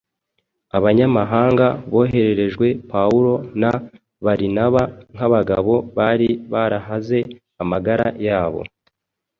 Abanyamahanga bohererejwe Pawulo na Barinaba nk’abagabo bari barahaze amagara yabo